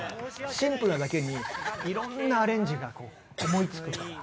シンプルなだけにいろんなアレンジが思いつくから。